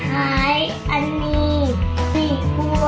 อร่อยอร่อยอร่อย